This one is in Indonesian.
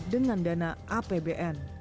dengan dana apbn